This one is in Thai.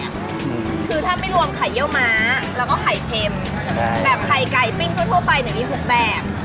คือถ้าไม่รวมไข่เยี่ยวม้าแล้วก็ไข่เค็มแบบไข่ไก่ปิ้งทั่วไปเนี่ยมี๖แบบ